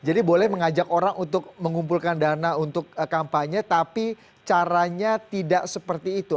jadi boleh mengajak orang untuk mengumpulkan dana untuk kampanye tapi caranya tidak seperti itu